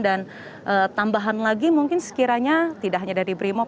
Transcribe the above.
dan tambahan lagi mungkin sekiranya tidak hanya dari brimo